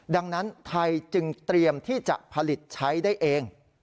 ดังนั้นไทยจึงเตรียมที่จะผลิตใช้ได้เอง